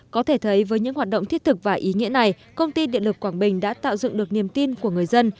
có thể thấy với những hoạt động thiết thực và ý nghĩa này công ty điện lực quảng bình đã tạo dựng được niềm tin của người dân